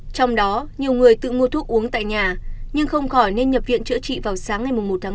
trong đó nhiều người tự mua thuốc uống tại nhà nhưng không khỏi nên nhập viện chữa trị vào sáng ngày một tháng một